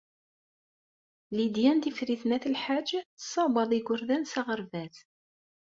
Lidya n Tifrit n At Lḥaǧ tessawaḍ igerdan s aɣerbaz.